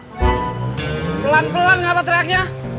bro pelan pelan ngapa teriaknya